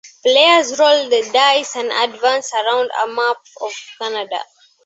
Players roll the dice and advance around a map of Canada.